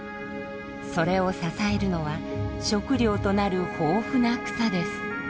それを支えるのは食料となる豊富な草です。